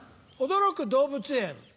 驚く動物園。